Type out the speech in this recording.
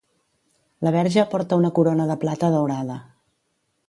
La verge porta una corona de plata daurada.